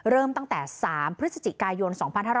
เริ่มตั้งแต่๓พฤศจิกายน๒๕๖๐